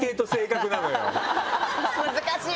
難しい！